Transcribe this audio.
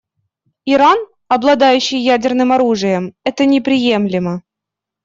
Иран, обладающий ядерным оружием, — это неприемлемо.